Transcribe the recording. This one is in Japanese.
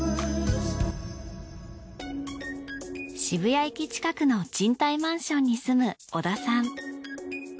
渋谷駅近くの賃貸マンションに住む小田さん。